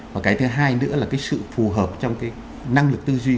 và cái thứ hai nữa là cái sự phù hợp trong cái năng lực tư duy